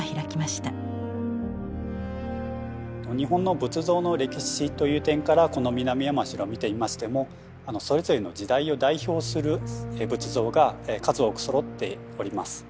日本の仏像の歴史という点からこの南山城を見てみましてもそれぞれの時代を代表する仏像が数多くそろっております。